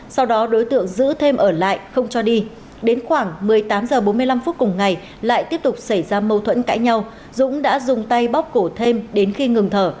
sau đó đối tượng giữ thêm ở lại không cho đi đến khoảng một mươi tám h bốn mươi năm phút cùng ngày lại tiếp tục xảy ra mâu thuẫn cãi nhau dũng đã dùng tay bóc cổ thêm đến khi ngừng thở